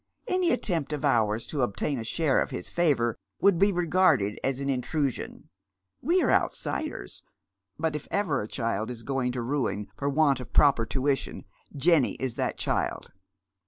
Any attempt of ours to obtain a share of his favour would be regarded as an intrusion. We are outsiders. But if ever a child was going to ruin for want of proper tuition, Jenny is that child."